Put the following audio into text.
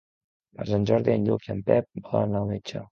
Per Sant Jordi en Lluc i en Pep volen anar al metge.